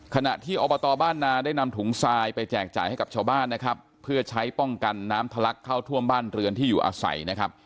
ขณะที่อบตบ้านนาได้นำถุงทรายไปแจกจ่ายให้กับชาวบ้านนะครับเพื่อใช้ป้องกันน้ำทะลักเข้าท่วมบ้านเรือนที่อยู่อาศัยนะครับ